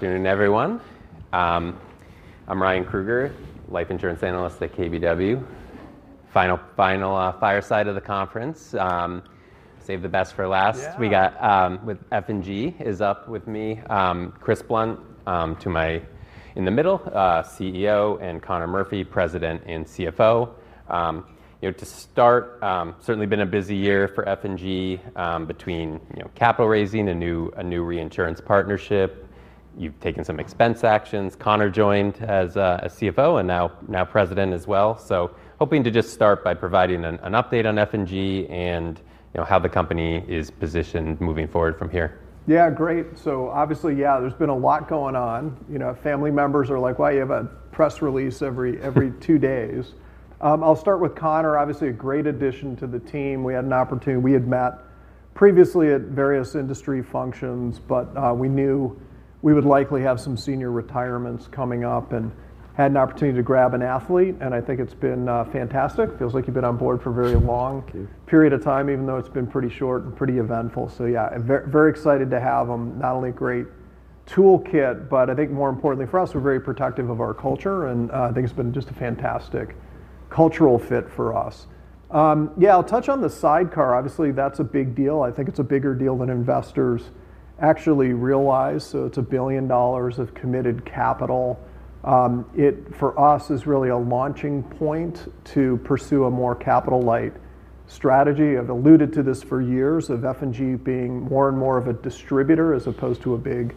Afternoon, everyone. I'm Ryan Krueger, Life Insurance Analyst at KBW. Final fireside of the conference. Save the best for last. We got, with F&G is up with me. Chris Blunt, to my in the middle, CEO, and Conor Murphy, President and CFO. To start, certainly been a busy year for F&G, between capital raising, a new reinsurance partnership. You've taken some expense actions. Conor joined as CFO and now President as well. Hoping to just start by providing an update on F&G and how the company is positioned moving forward from here. Yeah, great. Obviously, there's been a lot going on. Family members are like, why you have a press release every, every two days. I'll start with Conor. Obviously, a great addition to the team. We had an opportunity, we had met previously at various industry functions, but we knew we would likely have some senior retirements coming up and had an opportunity to grab an athlete. I think it's been fantastic. Feels like you've been on board for a very long period of time, even though it's been pretty short and pretty eventful. Very excited to have him. Not only a great toolkit, but I think more importantly for us, we're very protective of our culture. I think it's been just a fantastic cultural fit for us. I'll touch on the sidecar. Obviously, that's a big deal. I think it's a bigger deal than investors actually realize. It's $1 billion of committed capital. It for us is really a launching point to pursue a more capital-light strategy. I've alluded to this for years of F&G being more and more of a distributor as opposed to a big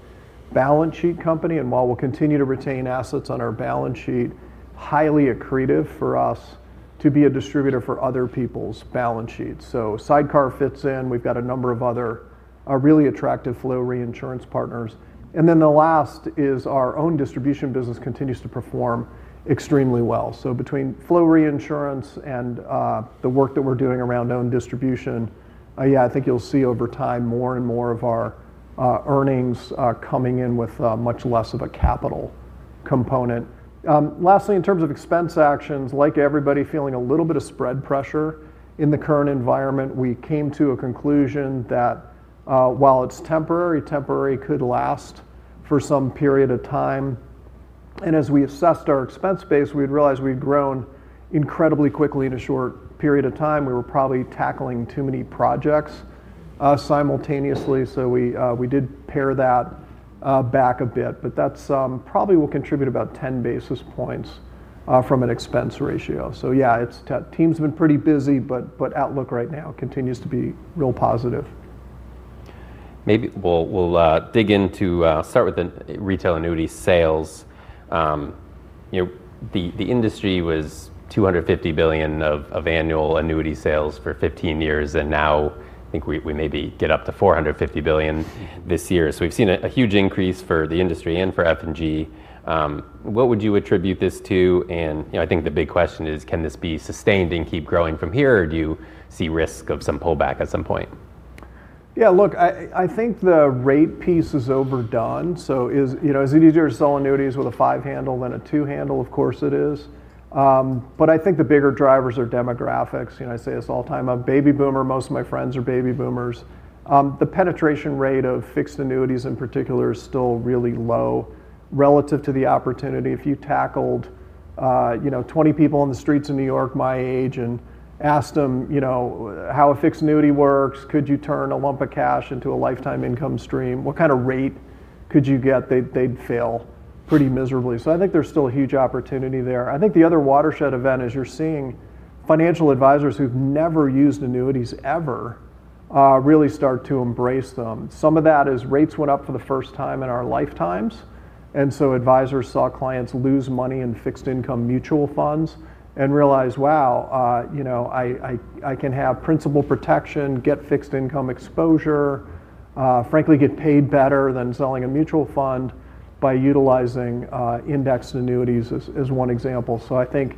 balance sheet company. While we'll continue to retain assets on our balance sheet, highly accretive for us to be a distributor for other people's balance sheets. Sidecar fits in. We've got a number of other really attractive flow reinsurance partners. The last is our own distribution business continues to perform extremely well. Between flow reinsurance and the work that we're doing around own distribution, I think you'll see over time more and more of our earnings coming in with much less of a capital component. Lastly, in terms of expense actions, like everybody feeling a little bit of spread pressure in the current environment, we came to a conclusion that while it's temporary, temporary could last for some period of time. As we assessed our expense base, we'd realized we'd grown incredibly quickly in a short period of time. We were probably tackling too many projects simultaneously. We did pair that back a bit, but that probably will contribute about 10 basis points from an expense ratio. Teams have been pretty busy, but outlook right now continues to be real positive. Maybe we'll dig into, start with the retail annuity sales. You know, the industry was $250 billion of annual annuity sales for 15 years, and now I think we maybe get up to $450 billion this year. We've seen a huge increase for the industry and for F&G. What would you attribute this to? I think the big question is, can this be sustained and keep growing from here, or do you see risk of some pullback at some point? Yeah, look, I think the rate piece is overdone. Is it easier to sell annuities with a five-handle than a two-handle? Of course it is, but I think the bigger drivers are demographics. I say this all the time, I'm a baby boomer. Most of my friends are baby boomers. The penetration rate of fixed annuities in particular is still really low relative to the opportunity. If you tackled 20 people on the streets in New York my age and asked them how a fixed annuity works, could you turn a lump of cash into a lifetime income stream, what kind of rate could you get, they'd fail pretty miserably. I think there's still a huge opportunity there. I think the other watershed event is you're seeing financial advisors who've never used annuities ever really start to embrace them. Some of that is rates went up for the first time in our lifetimes, and advisors saw clients lose money in fixed income mutual funds and realized, wow, I can have principal protection, get fixed income exposure, and frankly get paid better than selling a mutual fund by utilizing indexed annuities as one example. I think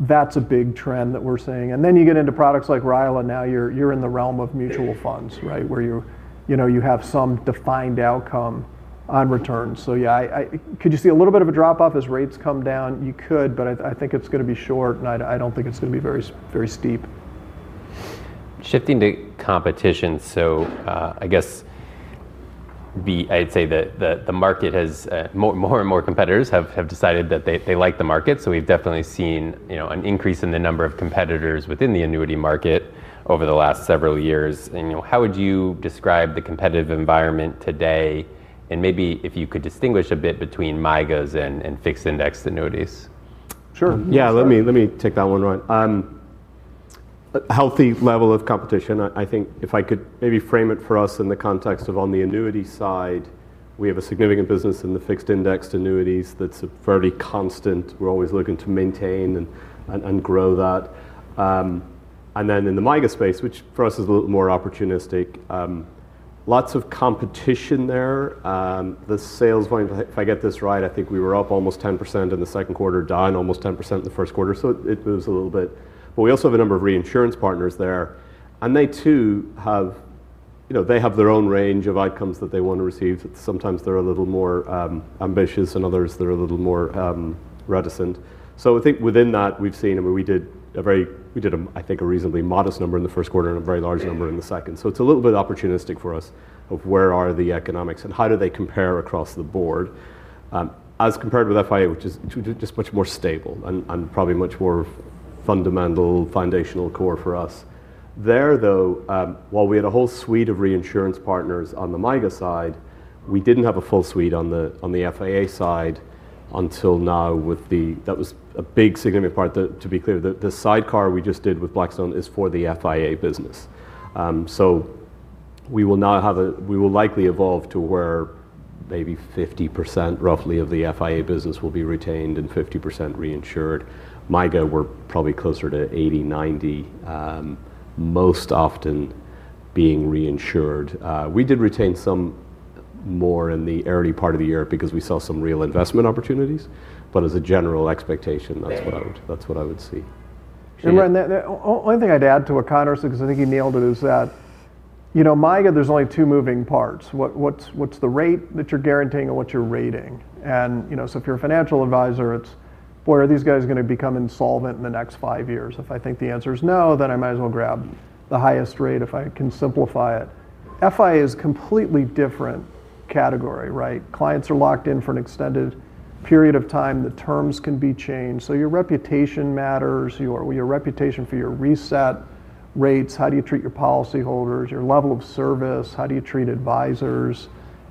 that's a big trend that we're seeing. Then you get into products like RILA, now you're in the realm of mutual funds, right, where you have some defined outcome on returns. Could you see a little bit of a drop-off as rates come down? You could, but I think it's going to be short and I don't think it's going to be very, very steep. Shifting to competition. I guess I'd say that the market has more and more competitors who have decided that they like the market. We've definitely seen an increase in the number of competitors within the annuity market over the last several years. How would you describe the competitive environment today? Maybe if you could distinguish a bit between MYGA s and Fixed Indexed Annuities. Sure. Let me take that one. Healthy level of competition. I think if I could maybe frame it for us in the context of on the annuity side, we have a significant business in the Fixed Indexed Annuities that's fairly constant. We're always looking to maintain and grow that. In the MYGA space, which for us is a little more opportunistic, lots of competition there. The sales volume, if I get this right, I think we were up almost 10% in the second quarter, down almost 10% in the first quarter. It was a little bit, but we also have a number of reinsurance partners there. They too have their own range of outcomes that they want to receive. Sometimes they're a little more ambitious and others that are a little more reticent. Within that we've seen, I mean, we did a reasonably modest number in the first quarter and a very large number in the second. It's a little bit opportunistic for us of where are the economics and how do they compare across the board, as compared with FIA, which is just much more stable and probably much more fundamental, foundational core for us. There, while we had a whole suite of reinsurance partners on the MYGA side, we didn't have a full suite on the FIA side until now. That was a big significant part that, to be clear, the sidecar we just did with Blackstone is for the FIA business. We will now have a, we will likely evolve to where maybe 50% roughly of the FIA business will be retained and 50% reinsured. MYGA, we're probably closer to 80%- 90%, most often being reinsured. We did retain some more in the early part of the year because we saw some real investment opportunities. As a general expectation, that's what I would see. The only thing I'd add to what Conor said, because I think he nailed it, is that, you know, MYGA, there's only two moving parts. What's the rate that you're guaranteeing and what you're rating? If you're a financial advisor, it's where are these guys going to become insolvent in the next five years? If I think the answer is no, then I might as well grab the highest rate if I can simplify it. FIA is a completely different category, right? Clients are locked in for an extended period of time. The terms can be changed. Your reputation matters, your reputation for your reset rates. How do you treat your policyholders, your level of service? How do you treat advisors?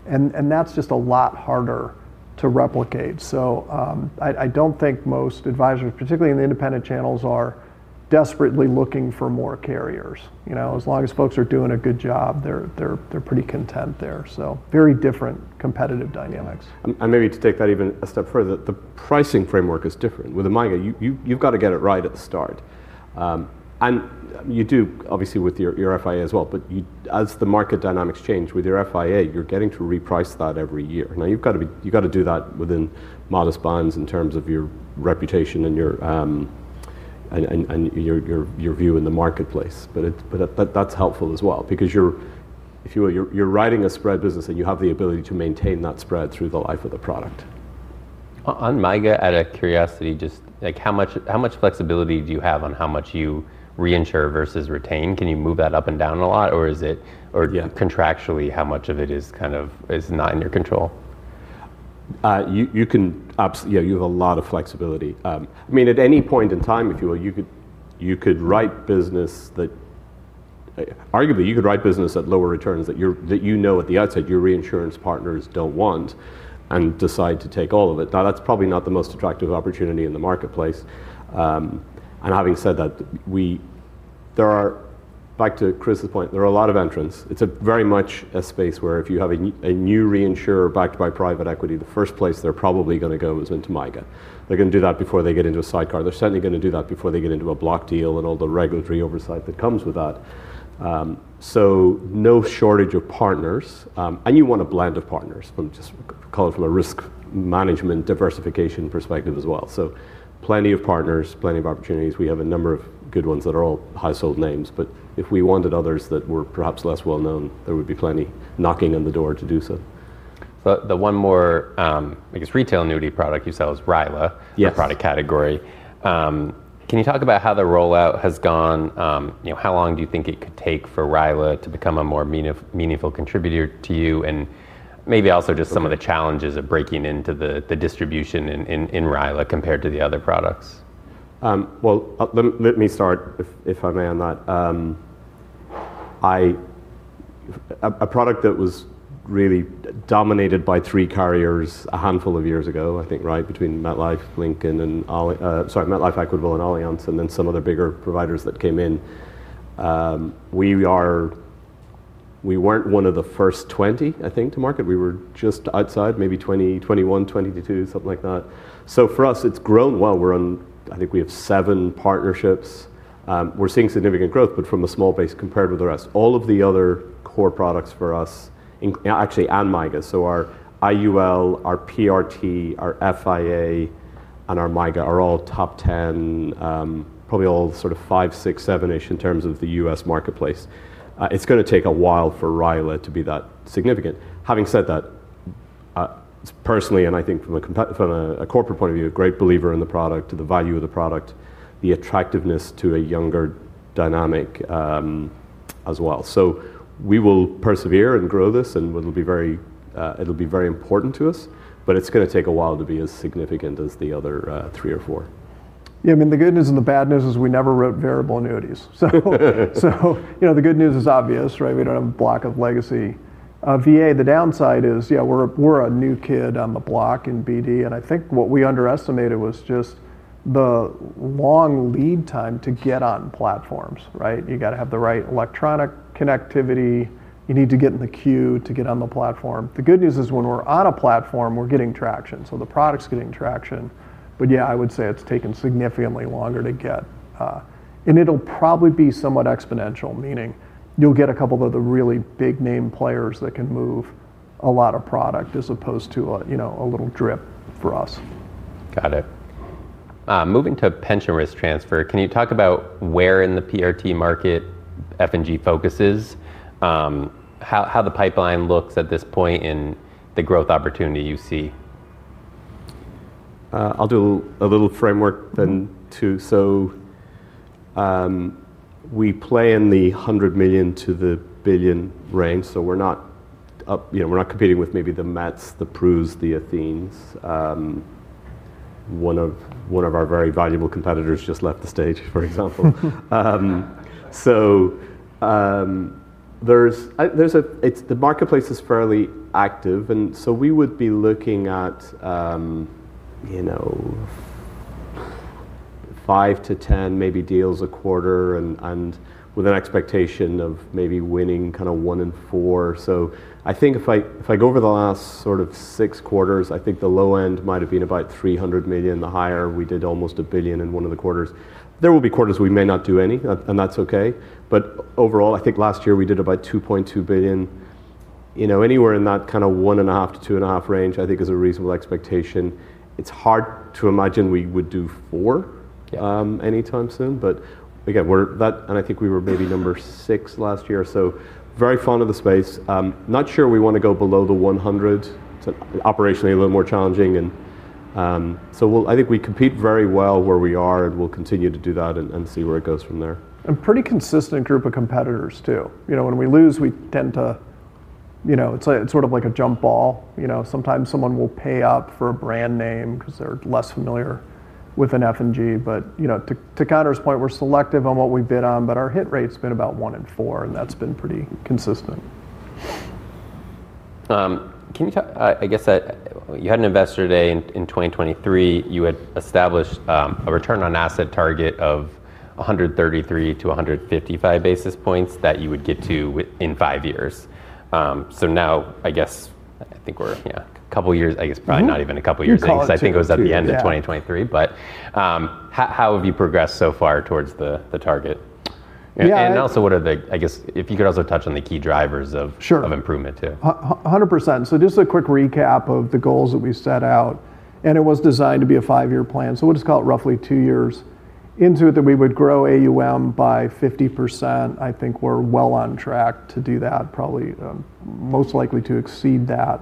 That's just a lot harder to replicate. I don't think most advisors, particularly in the independent channels, are desperately looking for more carriers. As long as folks are doing a good job, they're pretty content there. Very different competitive dynamics. Maybe to take that even a step further, the pricing framework is different with the MYGA. You've got to get it right at the start. You do obviously with your FIA as well, but as the market dynamics change with your FIA, you're getting to reprice that every year. You've got to do that within modest bounds in terms of your reputation and your view in the marketplace. That is helpful as well because, if you will, you're writing a spread business and you have the ability to maintain that spread through the life of the product. On MYGA, out of curiosity, just how much flexibility do you have on how much you reinsure versus retain? Can you move that up and down a lot, or is it, or, you know, contractually, how much of it is kind of, is not in your control? You have a lot of flexibility. At any point in time, if you will, you could write business that arguably you could write business at lower returns that you know at the outset your reinsurance partners don't want and decide to take all of it. Now that's probably not the most attractive opportunity in the marketplace. Having said that, back to Chris's point, there are a lot of entrants. It's very much a space where if you have a new reinsurer backed by private equity, the first place they're probably going to go is into MYGA. They're going to do that before they get into a sidecar. They're certainly going to do that before they get into a block deal and all the regulatory oversight that comes with that. There is no shortage of partners, and you want a blend of partners. I'm just calling from a risk management diversification perspective as well. Plenty of partners, plenty of opportunities. We have a number of good ones that are all household names, but if we wanted others that were perhaps less well known, there would be plenty knocking on the door to do so. The one more, I guess, retail annuity product you sell is RILA, yeah, product category. Can you talk about how the rollout has gone? You know, how long do you think it could take for RILA to become a more meaningful contributor to you? Maybe also just some of the challenges of breaking into the distribution in RILA compared to the other products. Let me start, if I may, on that. A product that was really dominated by three carriers a handful of years ago, I think, right between MetLife, Equitable, and Allianz, and then some other bigger providers that came in. We weren't one of the first 20, I think, to market. We were just outside, maybe 20, 21, 22, something like that. For us, it's grown well. I think we have seven partnerships. We're seeing significant growth, but from a small base compared with the rest, all of the other core products for us, actually, and MYGA. Our I UL, our PR T, our F I A, and our MYGA are all top 10, probably all sort of five, six, seven-ish in terms of the U.S. marketplace. It's going to take a while for RILA to be that significant. Having said that, personally, and I think from a corporate point of view, a great believer in the product, the value of the product, the attractiveness to a younger dynamic, as well. We will persevere and grow this, and it'll be very important to us, but it's going to take a while to be as significant as the other three or four. Yeah, I mean, the good news and the bad news is we never wrote variable annuities. The good news is obvious, right? We don't have a block of legacy VA. The downside is, yeah, we're a new kid on the block in BD. I think what we underestimated was just the long lead time to get on platforms, right? You have to have the right electronic connectivity. You need to get in the queue to get on the platform. The good news is when we're on a platform, we're getting traction. The product's getting traction. I would say it's taken significantly longer to get, and it'll probably be somewhat exponential, meaning you'll get a couple of other really big name players that can move a lot of product as opposed to a little drip for us. Got it. Moving to Pension Risk Transfer, can you talk about where in the PRT market F&G focuses, how the pipeline looks at this point, and the growth opportunity you see? I'll do a little framework. We play in the $100 million - $1 billion range. We're not up, you know, we're not competing with maybe the Mets, the Prus, the Athenes. One of our very valuable competitors just left the stage, for example. The marketplace is fairly active. We would be looking at, you know, five to ten, maybe deals a quarter, with an expectation of maybe winning kind of one in four. If I go over the last sort of six quarters, I think the low end might have been about $300 million. The higher, we did almost $1 billion in one of the quarters. There will be quarters we may not do any, and that's okay. Overall, I think last year we did about $2.2 billion. Anywhere in that kind of $1.5 billion- $2.5 billion range, I think is a reasonable expectation. It's hard to imagine we would do $4 billion anytime soon. We're that, and I think we were maybe number six last year. Very fond of the space. Not sure we want to go below the $100 million. It's operationally a little more challenging. We compete very well where we are, and we'll continue to do that and see where it goes from there. Pretty consistent group of competitors too. When we lose, we tend to, you know, it's sort of like a jump ball. Sometimes someone will pay up for a brand name because they're less familiar with an F&G. To Conor's point, we're selective on what we bid on, but our hit rate's been about one in four, and that's been pretty consistent. Can you talk, I guess you had an Investor Day in 2023, you had established a return on asset target of 133- 155 basis points that you would get to in five years. I think we're, yeah, a couple of years, I guess probably not even a couple of years ago, because I think it was at the end of 2023, but how have you progressed so far towards the target? Yeah, and also what are the, I guess if you could also touch on the key drivers of improvement too. 100%. Just a quick recap of the goals that we set out, and it was designed to be a five-year plan. We'll just call it roughly two years into it that we would grow AUM by 50%. I think we're well on track to do that, probably, most likely to exceed that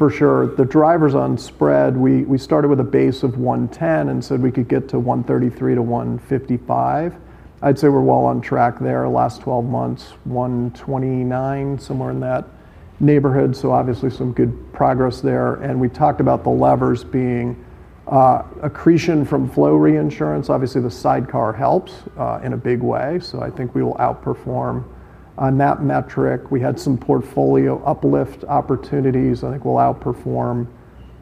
for sure. The drivers on spread, we started with a base of 110 basis points and said we could get to 133 -1 55 basis points. I'd say we're well on track there. Last 12 months, 129 basis points, somewhere in that neighborhood. Obviously some good progress there. We talked about the levers being accretion from flow reinsurance. Obviously, the sidecar helps in a big way. I think we will outperform on that metric. We had some portfolio uplift opportunities. I think we'll outperform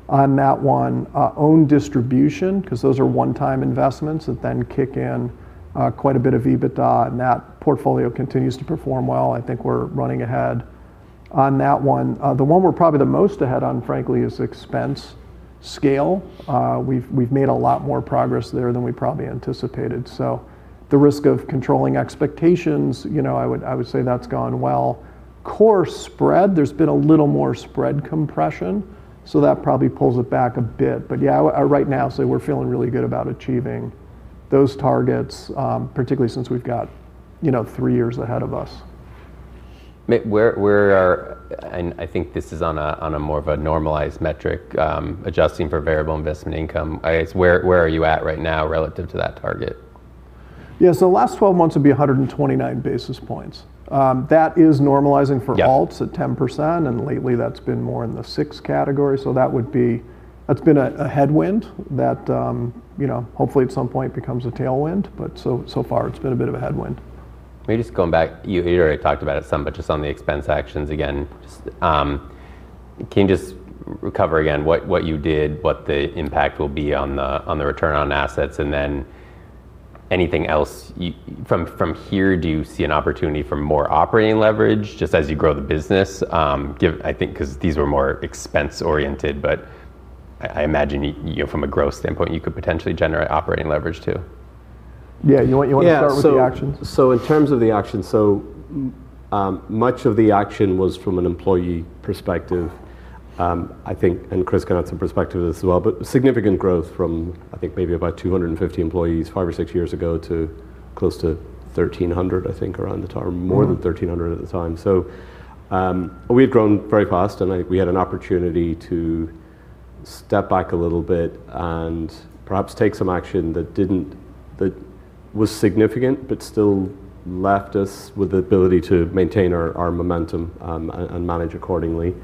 on that one, own distribution, because those are one-time investments that then kick in quite a bit of EBITDA, and that portfolio continues to perform well. I think we're running ahead on that one. The one we're probably the most ahead on, frankly, is expense scale. We've made a lot more progress there than we probably anticipated. The risk of controlling expectations, I would say that's gone well. Core spread, there's been a little more spread compression. That probably pulls it back a bit. Right now, we're feeling really good about achieving those targets, particularly since we've got three years ahead of us. Where are you at right now relative to that target, and I think this is on a more normalized metric, adjusting for variable investment income? Yeah, so the last 12 months would be 129 basis points. That is normalizing for halts at 10%, and lately that's been more in the 6% category. That would be, that's been a headwind that, you know, hopefully at some point becomes a tailwind, but so far it's been a bit of a headwind. Maybe just going back, you had already talked about it some, but just on the expense actions again, can you just cover again what you did, what the impact will be on the return on assets and then anything else from here? Do you see an opportunity for more operating leverage just as you grow the business? I think, because these were more expense oriented, but I imagine, you know, from a growth standpoint, you could potentially generate operating leverage too. You want to start with the action? In terms of the action, much of the action was from an employee perspective. I think Chris got some perspective as well, but significant growth from maybe about 250 employees five or six years ago to close to 1,300, I think, around the time, more than 1,300 at the time. We had grown very fast and we had an opportunity to step back a little bit and perhaps take some action that was significant, but still left us with the ability to maintain our momentum and manage accordingly.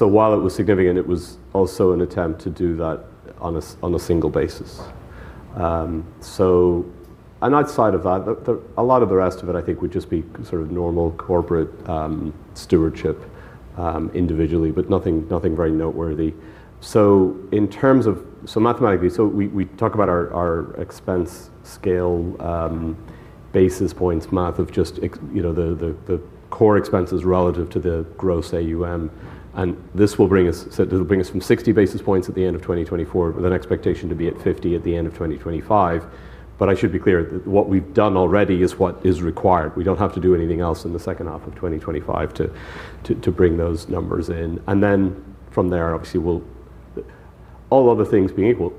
While it was significant, it was also an attempt to do that on a single basis. Outside of that, a lot of the rest of it would just be sort of normal corporate stewardship individually, but nothing very noteworthy. Mathematically, we talk about our expense scale, basis points math of just the core expenses relative to the gross AUM. This will bring us from 60 basis points at the end of 2024 with an expectation to be at 50 basis points at the end of 2025. I should be clear that what we've done already is what is required. We don't have to do anything else in the second half of 2025 to bring those numbers in. From there, obviously, all other things being equal,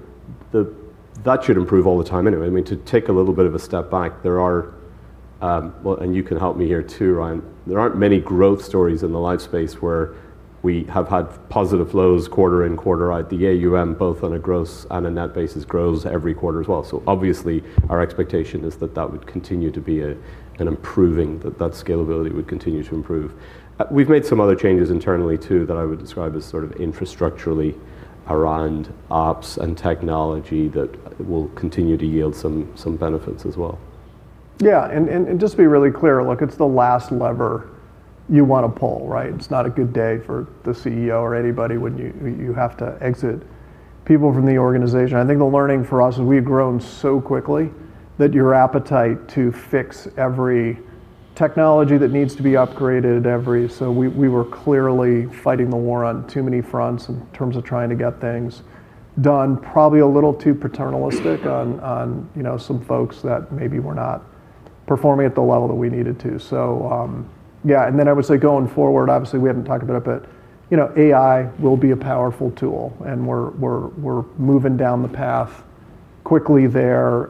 that should improve all the time anyway. To take a little bit of a step back, there aren't many growth stories in the life space where we have had positive flows quarter in, quarter out. The AUM both on a gross and a net basis grows every quarter as well. Our expectation is that that would continue to be an improving, that that scalability would continue to improve. We've made some other changes internally too, that I would describe as sort of infrastructurally around ops and technology that will continue to yield some benefits as well. Yeah, and just to be really clear, look, it's the last lever you want to pull, right? It's not a good day for the CEO or anybody when you have to exit people from the organization. I think the learning for us is we've grown so quickly that your appetite to fix every technology that needs to be upgraded, every—so we were clearly fighting the war on too many fronts in terms of trying to get things done, probably a little too paternalistic on, you know, some folks that maybe were not performing at the level that we needed to. I would say going forward, obviously we haven't talked about it, but you know, AI will be a powerful tool and we're moving down the path quickly there.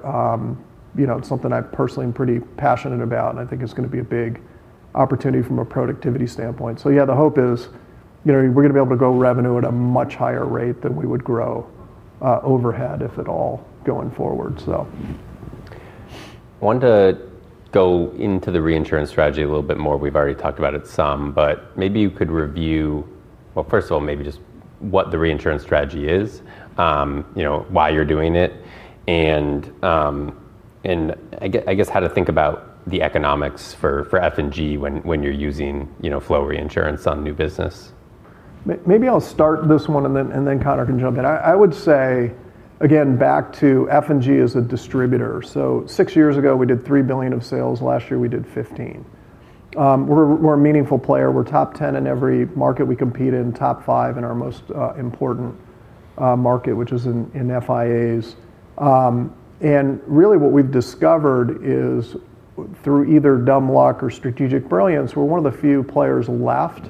You know, it's something I personally am pretty passionate about and I think it's going to be a big opportunity from a productivity standpoint. The hope is, you know, we're going to be able to grow revenue at a much higher rate than we would grow overhead, if at all, going forward. I want to go into the reinsurance strategy a little bit more. We've already talked about it some, but maybe you could review, first of all, just what the reinsurance strategy is, you know, why you're doing it, and I guess how to think about the economics for F&G when you're using flow reinsurance on new business. Maybe I'll start this one and then Conor can jump in. I would say, again, back to F&G as a distributor. Six years ago, we did $3 billion of sales. Last year, we did $15 billion. We're a meaningful player. We're top 10 in every market we compete in, top five in our most important market, which is in FIAs. What we've discovered is through either dumb luck or strategic brilliance, we're one of the few players left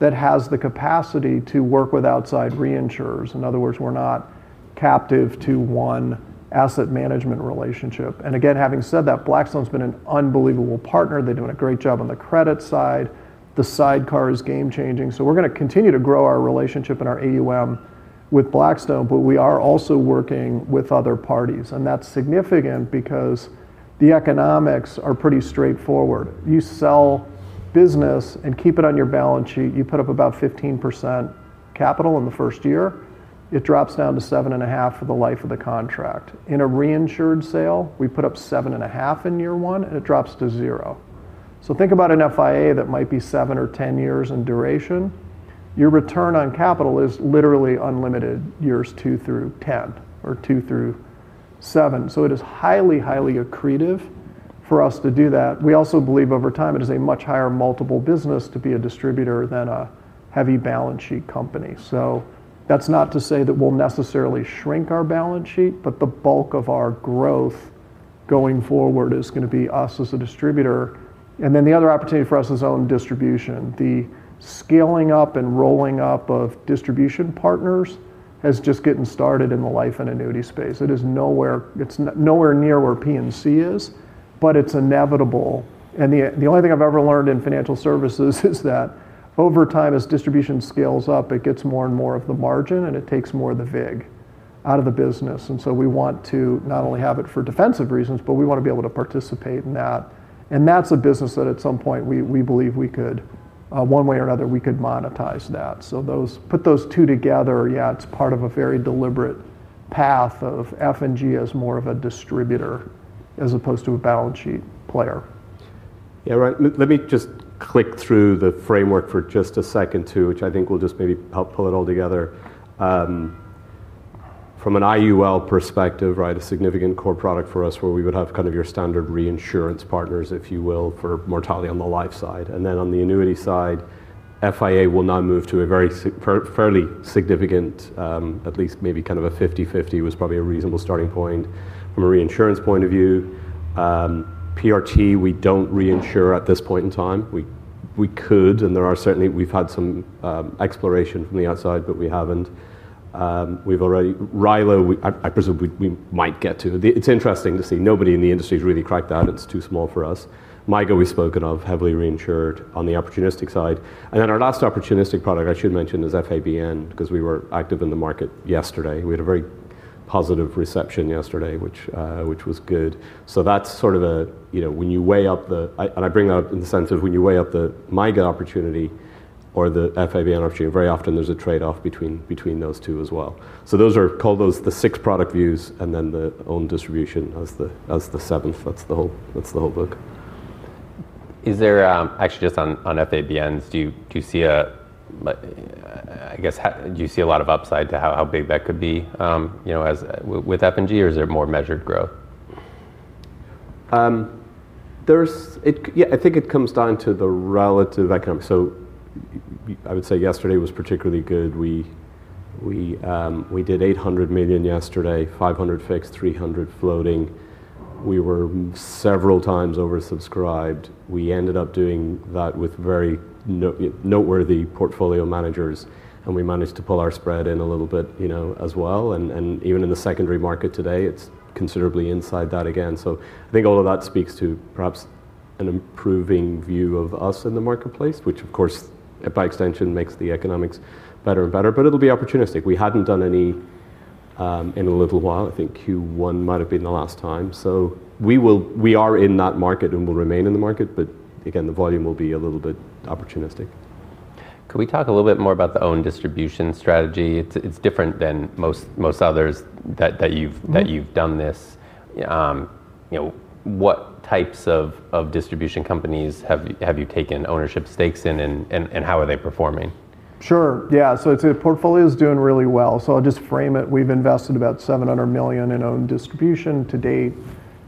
that has the capacity to work with outside reinsurers. In other words, we're not captive to one asset management relationship. Having said that, Blackstone's been an unbelievable partner. They're doing a great job on the credit side. The sidecar is game-changing. We're going to continue to grow our relationship and our AUM with Blackstone, but we are also working with other parties. That's significant because the economics are pretty straightforward. You sell business and keep it on your balance sheet. You put up about 15% capital in the first year. It drops down to 7.5% for the life of the contract. In a reinsured sale, we put up 7.5% in year one, and it drops to 0%. Think about an FIA that might be seven or ten years in duration. Your return on capital is literally unlimited years two through ten or two through seven. It is highly, highly accretive for us to do that. We also believe over time it is a much higher multiple business to be a distributor than a heavy balance sheet company. That's not to say that we'll necessarily shrink our balance sheet, but the bulk of our growth going forward is going to be us as a distributor. The other opportunity for us is own distribution. The scaling up and rolling up of distribution partners has just gotten started in the life and annuity space. It is nowhere near where P&C is, but it's inevitable. The only thing I've ever learned in financial services is that over time, as distribution scales up, it gets more and more of the margin and it takes more of the vig out of the business. We want to not only have it for defensive reasons, but we want to be able to participate in that. That's a business that at some point we believe we could, one way or another, we could monetize that. Put those two together. It's part of a very deliberate path of F&G as more of a distributor as opposed to a balance sheet player. Yeah, right. Let me just click through the framework for just a second too, which I think will just maybe help pull it all together. From an IUL perspective, right, a significant core product for us where we would have kind of your standard reinsurance partners, if you will, for mortality on the life side. On the annuity side, FIA will now move to a very fairly significant, at least maybe kind of a 50/50 was probably a reasonable starting point from a reinsurance point of view. PRT, we don't reinsure at this point in time. We could, and there are certainly, we've had some exploration from the outside, but we haven't. We've already, RILA, I presume we might get to. It's interesting to see nobody in the industry has really cracked out. It's too small for us. MYGA, we've spoken of heavily reinsured on the opportunistic side. Our last opportunistic product, I should mention, is FABN because we were active in the market yesterday. We had a very positive reception yesterday, which was good. That's sort of a, you know, when you weigh up the, and I bring that up in the sense of when you weigh up the MYGA opportunity or the FABN opportunity, very often there's a trade-off between those two as well. Those are called the six product views and then the own distribution as the seventh. That's the whole, that's the whole book. Is there, actually just on FABNs, do you see a, I guess, do you see a lot of upside to how big that could be, you know, as with F&G or is there more measured growth? I think it comes down to the relative economics. I would say yesterday was particularly good. We did $800 million yesterday, $500 million fixed, $300 million floating. We were several times oversubscribed. We ended up doing that with very noteworthy portfolio managers, and we managed to pull our spread in a little bit as well. Even in the secondary market today, it's considerably inside that again. I think all of that speaks to perhaps an improving view of us in the marketplace, which of course, by extension, makes the economics better and better. It'll be opportunistic. We hadn't done any in a little while. I think Q1 might have been the last time. We are in that market and will remain in the market, but the volume will be a little bit opportunistic. Could we talk a little bit more about the own distribution strategy? It's different than most others that you've done this. What types of distribution companies have you taken ownership stakes in, and how are they performing? Sure. Yeah. The portfolio is doing really well. I'll just frame it. We've invested about $700 million in owned distribution to date.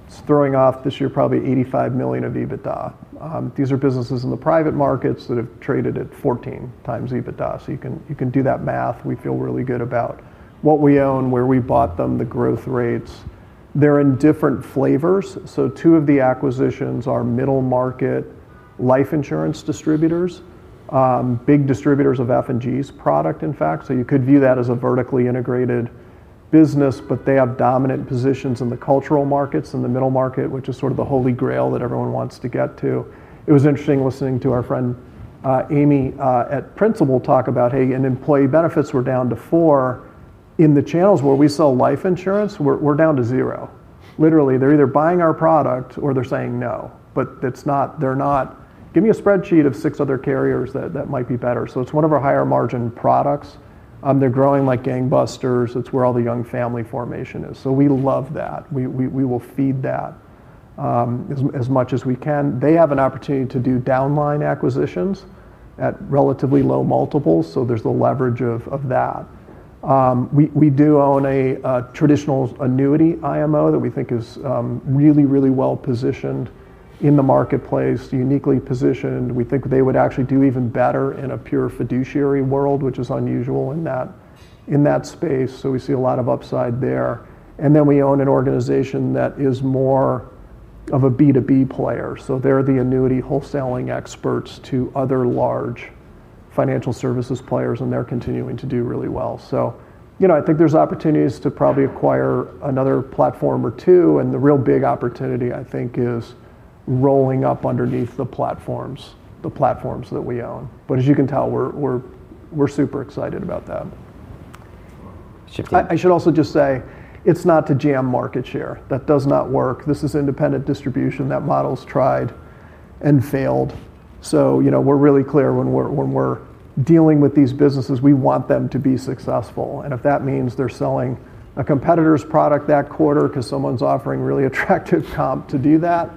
It's throwing off this year, probably $85 million of EBITDA. These are businesses in the private markets that have traded at 14x EBITDA. You can do that math. We feel really good about what we own, where we bought them, the growth rates. They're in different flavors. Two of the acquisitions are middle market life insurance distributors, big distributors of F&G's product, in fact. You could view that as a vertically integrated business, but they have dominant positions in the cultural markets and the middle market, which is sort of the holy grail that everyone wants to get to. It was interesting listening to our friend Amy at Principal talk about, hey, in employee benefits, we're down to four. In the channels where we sell life insurance, we're down to zero. Literally, they're either buying our product or they're saying no, but it's not, they're not, give me a spreadsheet of six other carriers that might be better. It's one of our higher margin products. They're growing like gangbusters. It's where all the young family formation is. We love that. We will feed that as much as we can. They have an opportunity to do downline acquisitions at relatively low multiples. There's the leverage of that. We do own a traditional annuity IMO that we think is really, really well positioned in the marketplace, uniquely positioned. We think they would actually do even better in a pure fiduciary world, which is unusual in that space. We see a lot of upside there. We own an organization that is more of a B2B player. They're the annuity wholesaling experts to other large financial services players, and they're continuing to do really well. I think there's opportunities to probably acquire another platform or two. The real big opportunity, I think, is rolling up underneath the platforms, the platforms that we own. As you can tell, we're super excited about that. I should also just say it's not to jam market share. That does not work. This is independent distribution. That model's tried and failed. We're really clear when we're dealing with these businesses, we want them to be successful. If that means they're selling a competitor's product that quarter because someone's offering a really attractive job to do that,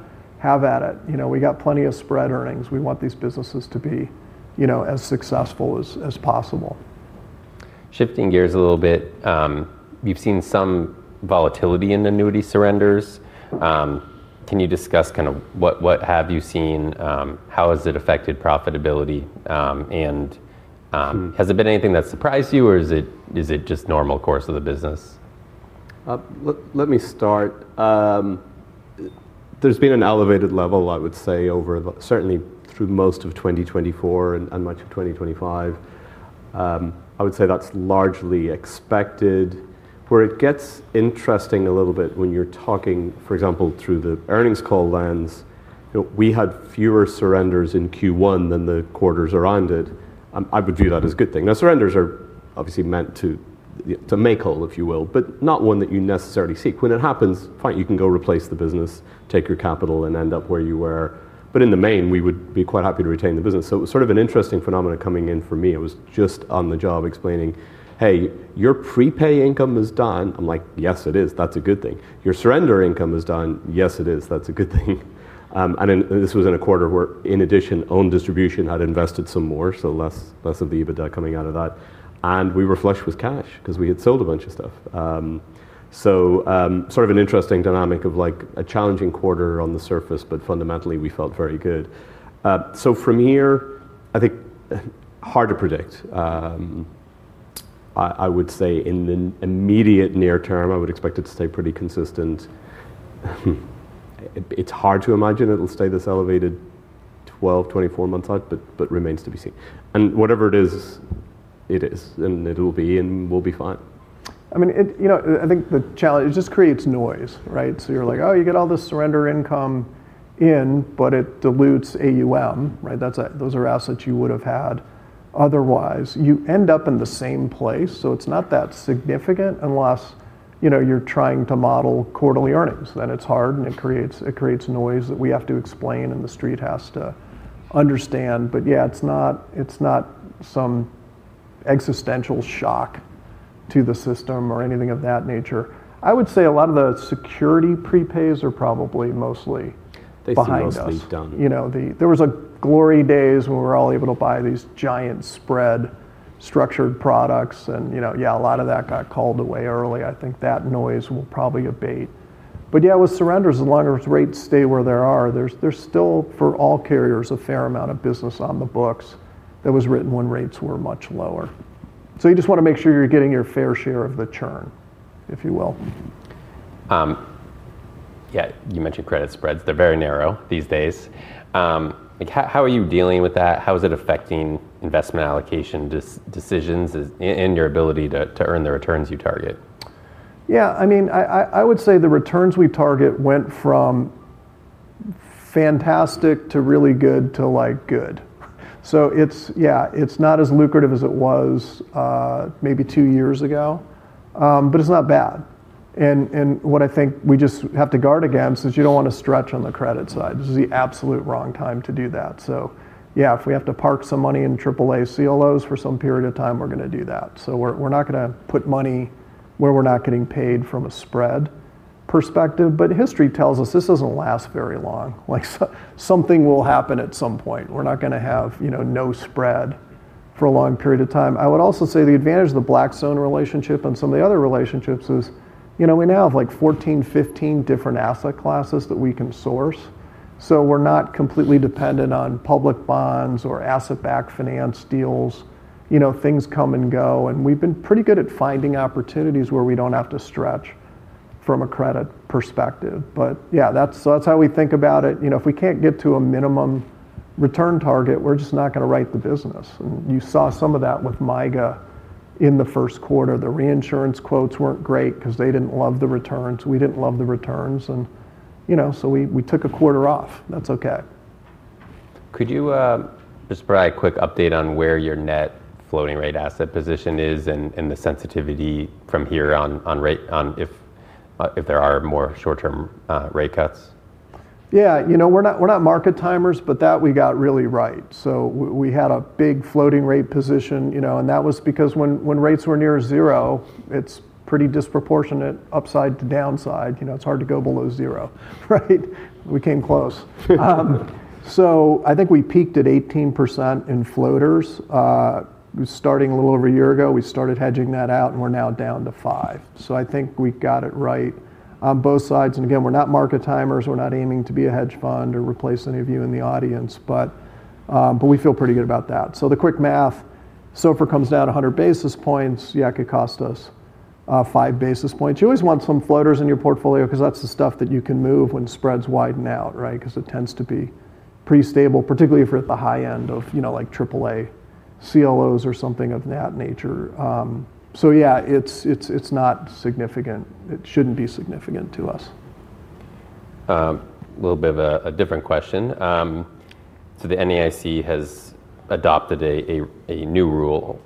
have at it. We've got plenty of spread earnings. We want these businesses to be as successful as possible. Shifting gears a little bit, you've seen some volatility in the annuity surrenders. Can you discuss kind of what, what have you seen? How has it affected profitability? Has it been anything that surprised you or is it just normal course of the business? Let me start. There's been an elevated level, I would say, over certainly through most of 2024 and much of 2025. I would say that's largely expected. Where it gets interesting a little bit when you're talking, for example, through the earnings call lens, you know, we had fewer surrenders in Q1 than the quarters around it. I would view that as a good thing. Now, surrenders are obviously meant to make whole, if you will, but not one that you necessarily seek. When it happens, fine, you can go replace the business, take your capital, and end up where you were. In the main, we would be quite happy to retain the business. It was sort of an interesting phenomenon coming in for me. I was just on the job explaining, hey, your prepay income is done. I'm like, yes, it is. That's a good thing. Your surrender income is done. Yes, it is. That's a good thing. This was in a quarter where, in addition, own distribution had invested some more, so less, less of the EBITDA coming out of that. We were flushed with cash because we had sold a bunch of stuff. Sort of an interesting dynamic of like a challenging quarter on the surface, but fundamentally we felt very good. From here, I think hard to predict. I would say in the immediate near term, I would expect it to stay pretty consistent. It's hard to imagine it'll stay this elevated 12- 24 months out, but remains to be seen. Whatever it is, it is, and it'll be, and we'll be fine. I think the challenge, it just creates noise, right? You're like, oh, you get all this surrender income in, but it dilutes AUM, right? Those are assets you would have had otherwise. You end up in the same place. It's not that significant unless you're trying to model quarterly earnings. It's hard and it creates noise that we have to explain and the street has to understand. It's not some existential shock to the system or anything of that nature. I would say a lot of the security prepays are probably mostly behind us. There were glory days when we were all able to buy these giant spread structured products. A lot of that got called away early. I think that noise will probably abate. With surrenders, as long as rates stay where they are, there's still, for all carriers, a fair amount of business on the books that was written when rates were much lower. You just want to make sure you're getting your fair share of the churn, if you will. Yeah, you mentioned credit spreads. They're very narrow these days. Like, how are you dealing with that? How is it affecting investment allocation decisions and your ability to earn the returns you target? Yeah, I mean, I would say the returns we target went from fantastic to really good to like good. It's not as lucrative as it was, maybe two years ago, but it's not bad. What I think we just have to guard against is you don't want to stretch on the credit side. This is the absolute wrong time to do that. If we have to park some money in AAA CLOs for some period of time, we're going to do that. We're not going to put money where we're not getting paid from a spread perspective, but history tells us this doesn't last very long. Something will happen at some point. We're not going to have, you know, no spread for a long period of time. I would also say the advantage of the Blackstone relationship and some of the other relationships is, you know, we now have like 14- 15 different asset classes that we can source. We're not completely dependent on public bonds or asset-backed finance deals. Things come and go, and we've been pretty good at finding opportunities where we don't have to stretch from a credit perspective. That's how we think about it. If we can't get to a minimum return target, we're just not going to write the business. You saw some of that with MYGA in the first quarter. The reinsurance quotes weren't great because they didn't love the returns. We didn't love the returns, and we took a quarter off. That's okay. Could you provide a quick update on where your net floating rate asset position is and the sensitivity from here on, on rate, if there are more short-term rate cuts? Yeah, you know, we're not market timers, but that we got really right. We had a big floating rate position, and that was because when rates were near 0%, it's pretty disproportionate upside to downside. It's hard to go below 0%, right? We came close. I think we peaked at 18% in floaters. It was starting a little over a year ago. We started hedging that out and we're now down to 5%. I think we got it right on both sides. Again, we're not market timers. We're not aiming to be a hedge fund or replace any of you in the audience, but we feel pretty good about that. The quick math, if it comes down to 100 basis points, it could cost us 5 basis points. You always want some floaters in your portfolio because that's the stuff that you can move when spreads widen out, right? It tends to be pretty stable, particularly if you're at the high end of, you know, like AAA CLOs or something of that nature. It's not significant. It shouldn't be significant to us. A little bit of a different question. The NAIC has adopted a new rule,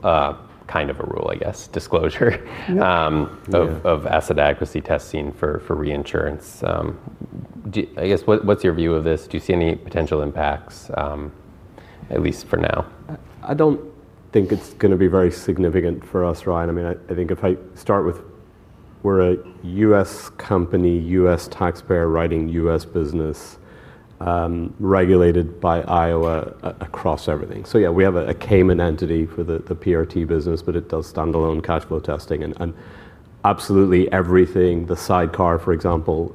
kind of a rule, I guess, disclosure of asset adequacy testing for reinsurance. I guess what’s your view of this? Do you see any potential impacts, at least for now? I don't think it's going to be very significant for us, Ryan. I mean, I think if I start with we're a U.S. company, U.S. taxpayer writing U.S. business, regulated by Iowa across everything. We have a Cayman entity for the PRT business, but it does standalone cash flow testing and absolutely everything. The sidecar, for example,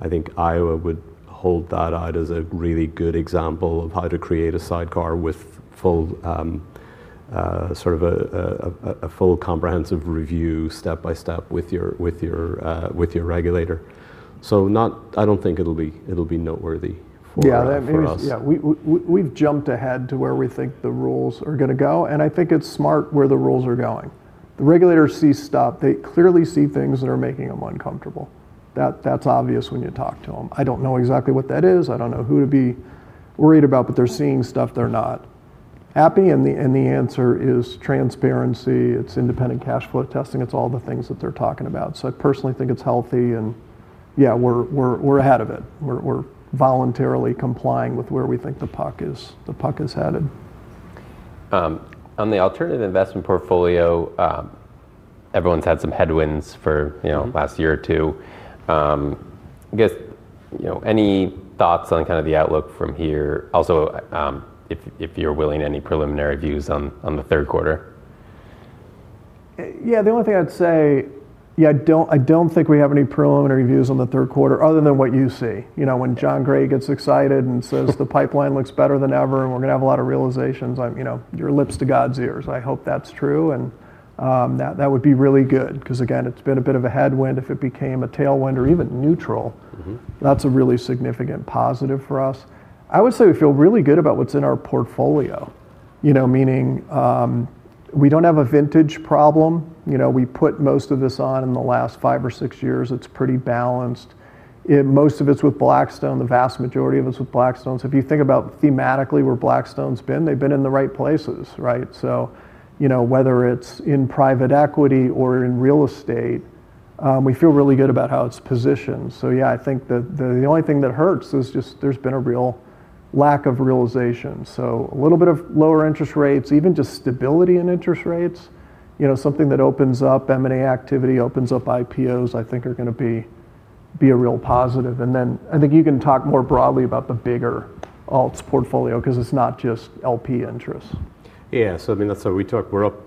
I think Iowa would hold that out as a really good example of how to create a sidecar with a full comprehensive review step by step with your regulator. I don't think it'll be noteworthy. Yeah, we have jumped ahead to where we think the rules are going to go. I think it's smart where the rules are going. The regulators see stuff. They clearly see things that are making them uncomfortable. That's obvious when you talk to them. I don't know exactly what that is. I don't know who to be worried about, but they're seeing stuff they're not happy. The answer is transparency. It's independent cash flow testing. It's all the things that they're talking about. I personally think it's healthy. We're ahead of it. We're voluntarily complying with where we think the puck is headed. On the alternative investment portfolio, everyone's had some headwinds for, you know, last year or two. I guess, you know, any thoughts on kind of the outlook from here? Also, if you're willing, any preliminary views on the third quarter? The only thing I'd say, I don't think we have any preliminary views on the third quarter other than what you see. You know, when John Gray gets excited and says the pipeline looks better than ever, and we're going to have a lot of realizations, your lips to God's ears. I hope that's true. That would be really good because again, it's been a bit of a headwind. If it became a tailwind or even neutral, that's a really significant positive for us. I would say we feel really good about what's in our portfolio, meaning we don't have a vintage problem. We put most of this on in the last five or six years. It's pretty balanced. Most of it's with Blackstone. The vast majority of it's with Blackstone. If you think about thematically where Blackstone's been, they've been in the right places, right? Whether it's in private equity or in real estate, we feel really good about how it's positioned. I think the only thing that hurts is just there's been a real lack of realization. A little bit of lower interest rates, even just stability in interest rates, something that opens up M&A activity, opens up IPOs, I think are going to be a real positive. I think you can talk more broadly about the bigger alts portfolio because it's not just LP interests. Yeah, that's what we talked about. We're up,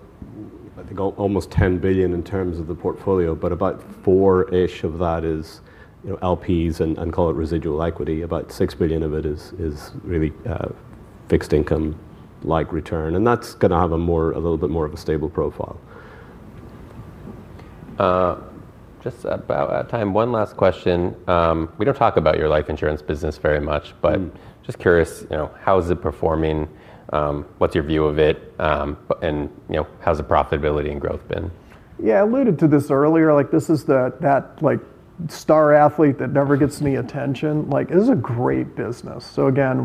I think, almost $10 billion in terms of the portfolio, but about $4 billion of that is, you know, LPs and call it residual equity. About $6 billion of it is really fixed income-like return, and that's going to have a little bit more of a stable profile. Just about out of time. One last question. We don't talk about your life insurance business very much, but just curious, you know, how is it performing? What's your view of it? And you know, how's the profitability and growth been? Yeah, I alluded to this earlier. This is that, like, star athlete that never gets any attention. It is a great business. Again,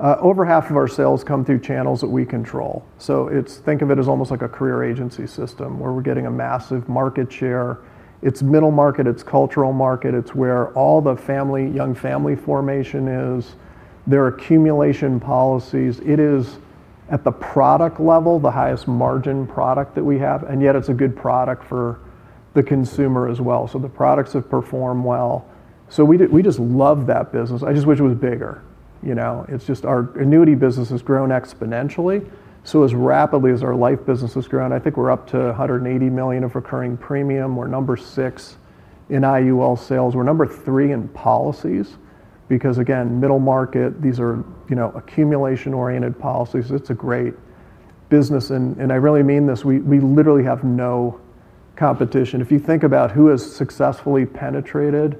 over half of our sales come through channels that we control. Think of it as almost like a career agency system where we're getting a massive market share. It's middle market, it's cultural market, it's where all the family, young family formation is, their accumulation policies. At the product level, it is the highest margin product that we have, and yet it's a good product for the consumer as well. The products have performed well. We just love that business. I just wish it was bigger. Our annuity business has grown exponentially. As rapidly as our life business has grown, I think we're up to $180 million of recurring premium. We're number six in IUL sales. We're number three in policies because, again, middle market, these are accumulation-oriented policies. It's a great business. I really mean this. We literally have no competition. If you think about who has successfully penetrated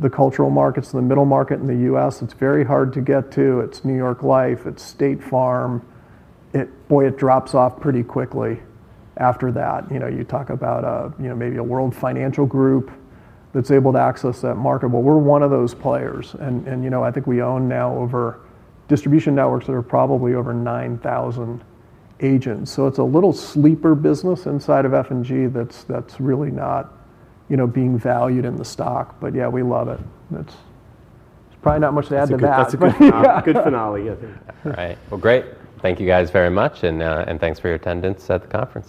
the cultural markets, the middle market in the U.S., it's very hard to get to. It's New York Life. It's State Farm. It drops off pretty quickly after that. You talk about maybe a World Financial Group that's able to access that market. We're one of those players. I think we own now distribution networks that are probably over 9,000 agents. It's a little sleeper business inside of F&G that's really not being valued in the stock. Yeah, we love it. It's probably not much to add to that. Good finale, I think. All right. Great. Thank you guys very much, and thanks for your attendance at the conference.